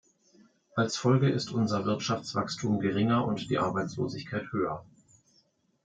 Als Folge ist unser Wirtschaftswachstum geringer und die Arbeitslosigkeit höher.